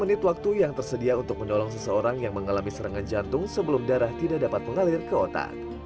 dua puluh menit waktu yang tersedia untuk menolong seseorang yang mengalami serangan jantung sebelum darah tidak dapat mengalir ke otak